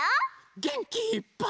げんきいっぱい。